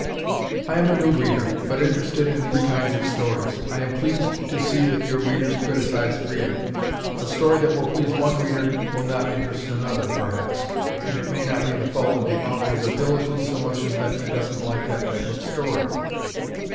I am a new reader, but interested in these kinds of stories. I am pleased to see that your readers criticize freely. A story that will please one reader will not interest another, perhaps, and it may not be the fault of the author's ability so much as that he doesn't like that type of story.